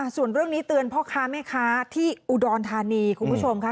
ส่วนเรื่องนี้เตือนพ่อค้าแม่ค้าที่อุดรธานีคุณผู้ชมค่ะ